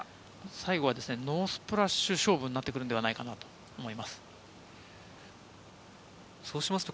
最後はノースプラッシュ勝負になってくるのではないでしょうか。